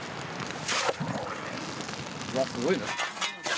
うわっすごいな。